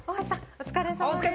お疲れさまです。